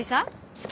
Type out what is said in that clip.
好き！